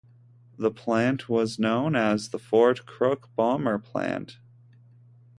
The plant was known as the Fort Crook Bomber Plant.